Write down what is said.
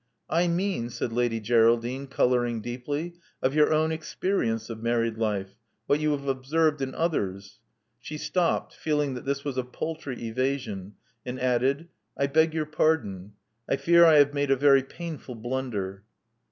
I mean," said Lady Geraldine, coloring deeply, of your own experience of married life — what you have observed in others." She stopped, feeling that this was a paltry evasion, and added, I beg your pardon. I fear I have made a very painful blunder.